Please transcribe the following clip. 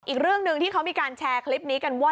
อีกเรื่องหนึ่งที่เขามีการแชร์คลิปนี้กันว่า